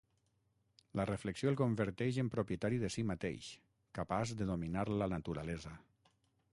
La reflexió el converteix en propietari de si mateix, capaç de dominar la naturalesa.